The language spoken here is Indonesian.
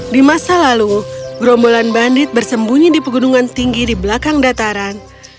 di masa lalu gerombolan bandit bersembunyi di pegunungan tinggi di belakang dataran